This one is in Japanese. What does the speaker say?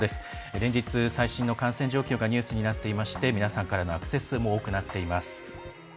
連日最新の感染状況がニュースになっていまして皆さんからのアクセス数も多くなっています。